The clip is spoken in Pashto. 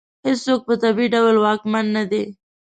هېڅوک په طبیعي ډول واکمن نه دی.